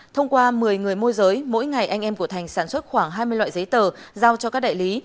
thông qua một mươi người môi giới mỗi ngày anh em của thành sản xuất khoảng hai mươi loại giấy tờ giao cho các đại lý